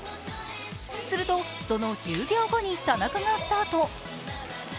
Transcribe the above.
すると、その１０秒後に田中がスタート。